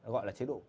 gọi là chế độ